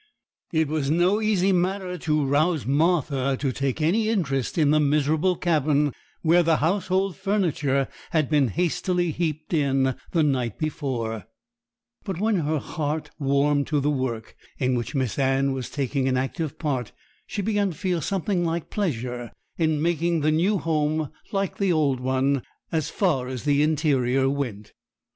It was no easy matter to rouse Martha to take any interest in the miserable cabin where the household furniture had been hastily heaped in the night before; but when her heart warmed to the work, in which Miss Anne was taking an active part, she began to feel something like pleasure in making the new home like the old one, as far as the interior went.